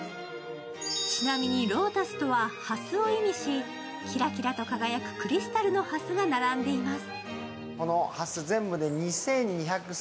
ちなみにロータスとは、はすを意味し、キラキラと輝くクリスタルのはすが並んでいます。